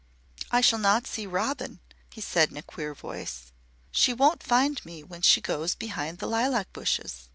"I shall not see Robin," he said in a queer voice. "She won't find me when she goes behind the lilac bushes.